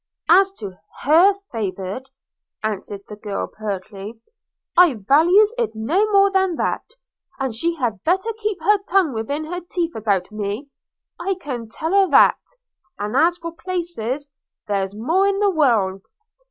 'As to her favour,' answered the girl pertly, 'I values it no more than that; and she had better keep her tongue within her teeth about me, I can tell her that; and as for places, there's more in the world.